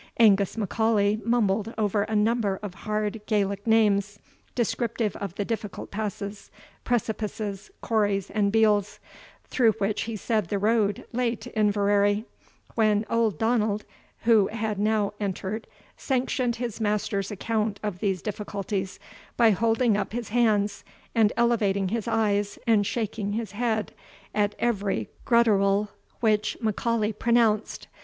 Angus M'Aulay mumbled over a number of hard Gaellic names, descriptive of the difficult passes, precipices, corries, and beals, through which he said the road lay to Inverary, when old Donald, who had now entered, sanctioned his master's account of these difficulties, by holding up his hands, and elevating his eyes, and shaking his head, at every gruttural which M'Aulay pronounced.